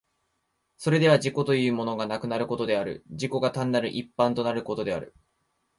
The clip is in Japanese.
それでは自己というものがなくなることである、自己が単なる一般となることである。